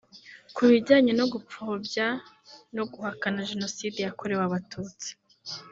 Ku bijyanye no gupfobya no guhakana Jenoside yakorewe Abatutsi